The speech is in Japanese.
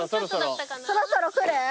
そろそろ来る？